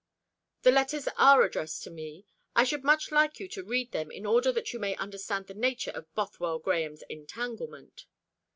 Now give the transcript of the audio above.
"The letters are addressed to me. I should much like you to read them, in order that you may understand the nature of Bothwell Grahame's 'entanglement'."